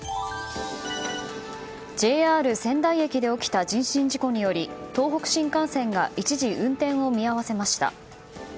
ＪＲ仙台駅で起きた人身事故により東北新幹線が一時運転を見合わせました。